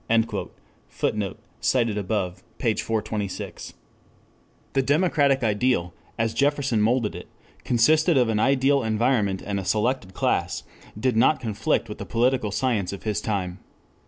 [Footnote: Op. cit., p. 426.] 4 The democratic ideal, as Jefferson moulded it, consisting of an ideal environment and a selected class, did not conflict with the political science of his time.